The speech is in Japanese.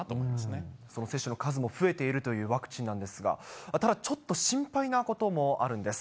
その接種の数も増えているというワクチンなんですが、ただ、ちょっと心配なこともあるんです。